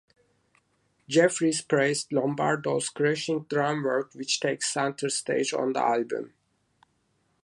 Jeffries praised Lombardo's "crushing drum work" which takes center stage on the album.